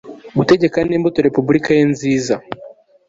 Gutegeka nimbuto Repubulika ye nziza